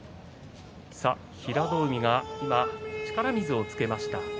平戸海が今、力水をつけました。